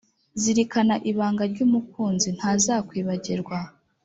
Zirikana ibanga ry’umukunzi ntazakwibagirwa